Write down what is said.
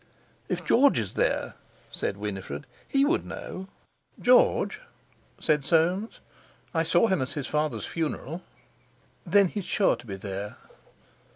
"If George is there," said Winifred, "he would know." "George?" said Soames; "I saw him at his father's funeral." "Then he's sure to be there."